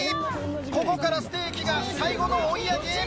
ここからステーキが最後の追い上げ。